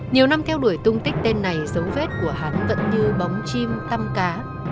nhiều năm theo đuổi tung tích tên này dấu vết của hắn vẫn như bóng chim tăm cá